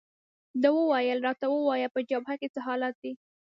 ده وویل: راته ووایه، په جبهه کې څه حالات دي؟